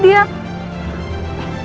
ini tabungan dia nek